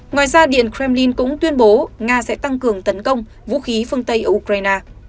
ngoài ra điện kremlin cũng tuyên bố nga sẽ tăng cường tấn công vũ khí phương tây ở ukraine